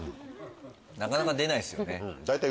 なかなか出ないですよね。